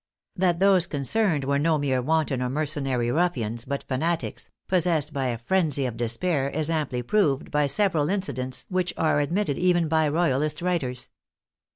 That those concerned were no mere wanton or mercenary ruffians, but fanatics, possessed by a frenzy of despair, is amply proved by several incidents which are admitted even by Royalist writers.